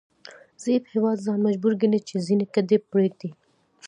ضعیف هیواد ځان مجبور ګڼي چې ځینې ګټې پریږدي